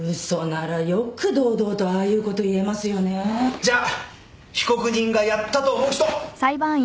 じゃあ被告人がやったと思う人。